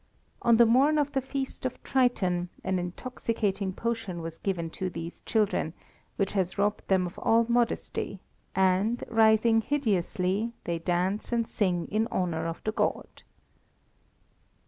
On the morn of the feast of Triton an intoxicating potion was given to these children, which has robbed them of all modesty, and, writhing hideously, they dance and sing in honour of the god.